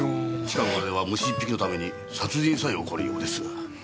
近頃では虫１匹のために殺人さえ起こるようです。